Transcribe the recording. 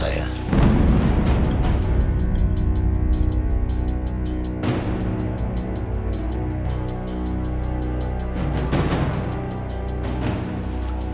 apany ctrl bike